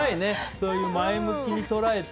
そう前向きに捉えて。